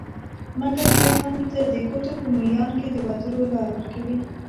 مګر بیا هم ته د ګوتو په میان کي د وتلو لار ورکوي